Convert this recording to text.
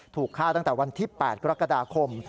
ถูกฆ่าตั้งแต่วันที่๘กรกฎาคม